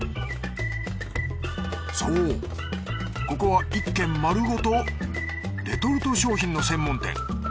そうここは１軒まるごとレトルト商品の専門店。